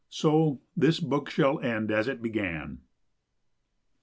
So this book shall end as it began.